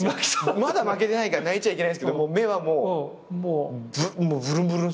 まだ負けてないから泣いちゃいけないんすけど目はもうぶるんぶるんっす。